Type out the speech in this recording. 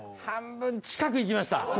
半分近く行きました。